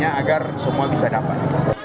agar semua bisa dapat